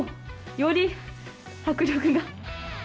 より迫力が。